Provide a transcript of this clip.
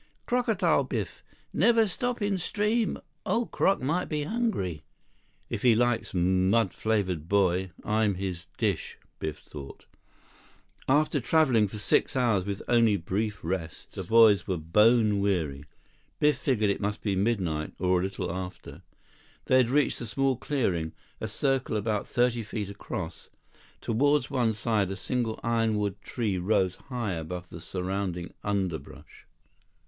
"Crocodile, Biff. Never stop in stream. Old croc might be hungry." "If he likes mud flavored boy, I'm his dish," Biff thought. 72 Biff heard the chilling sound of teeth gnashing together 73 After traveling for six hours with only brief rest breaks, the boys were bone weary. Biff figured it must be midnight or a little after. They had reached a small clearing, a circle about thirty feet across. Toward one side a single ironwood tree rose high above the surrounding underbrush.